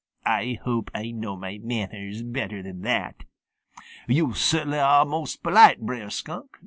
I hope I know my manners better than that." "Yo' cert'nly are most polite, Brer Skunk.